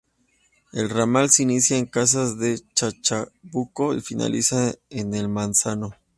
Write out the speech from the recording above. El ramal se inicia en Casas de Chacabuco y finaliza en El Manzano.